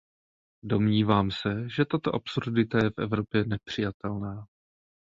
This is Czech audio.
Domnívám se, že tato absurdita je v Evropě nepřijatelná.